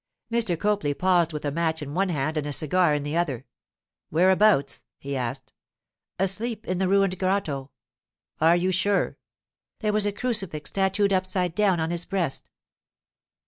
Mr. Copley paused with a match in one hand and a cigar in the other. 'Whereabouts?' he asked. 'Asleep in the ruined grotto.' 'Are you sure?' 'There was a crucifix tattooed upside down on his breast.